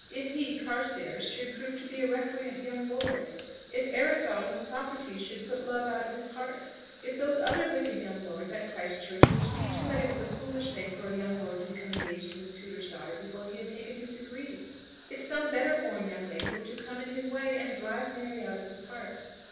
If he, Carstairs, should prove to be a recreant young lord! If Aristotle and Socrates should put love out of his heart! If those other wicked young lords at Christ Church were to teach him that it was a foolish thing for a young lord to become engaged to his tutor's daughter before he had taken his degree! If some better born young lady were to come in his way and drive Mary out of his heart!